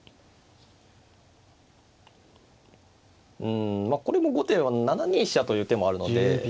うんまあこれも後手は７二飛車という手もあるので。